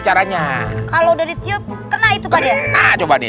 caranya kalau dari tiup kena itu tadi coba nih